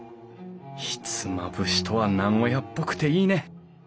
ひつまぶしとは名古屋っぽくていいね！